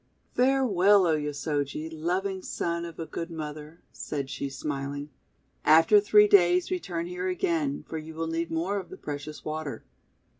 "Farewell, O Yosoji, loving son of a good mother," said she, smiling. "After three days 42 THE WONDER GARDEN return here again, for you will need more of the precious water."